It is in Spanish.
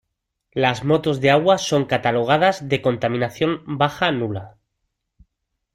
Las motos de agua son catalogadas de contaminación baja-nula.